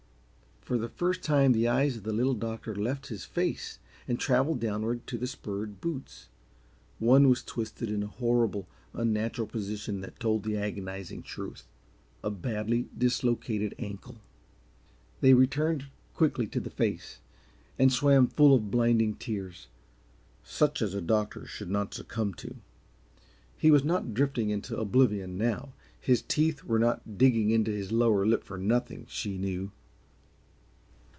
For the first time the eyes of the Little Doctor left his face and traveled downward to the spurred boots. One was twisted in a horrible unnatural position that told the agonizing truth a badly dislocated ankle. They returned quickly to the face, and swam full of blinding tears such as a doctor should not succumb to. He was not drifting into oblivion now; his teeth were not digging into his lower lip for nothing, she knew.